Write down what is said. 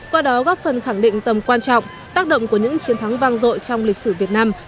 qua đó góp phần khẳng định tầm quan trọng tác động của những chiến thắng vang dội trong lịch sử việt nam